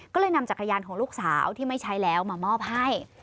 ก็เลยนำจักรยานของลูกสาวที่ไม่ใช้แล้วมามอบให้